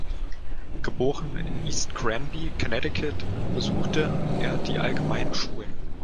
Geboren in East Granby, Connecticut, besuchte er die allgemeinen Schulen.